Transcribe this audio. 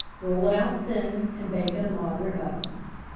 Roll it out thin, and bake in a moderate oven.